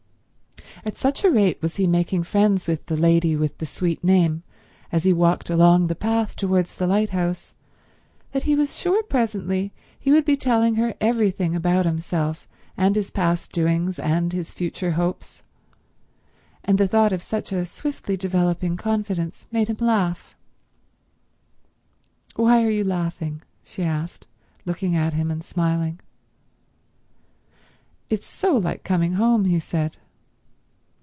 At such a rate was he making friends with the lady with the sweet name as he walked along the path towards the lighthouse, that he was sure presently he would be telling her everything about himself and his past doings and his future hopes; and the thought of such a swiftly developing confidence made him laugh. "Why are you laughing?" she asked, looking at him and smiling. "It's so like coming home," he said.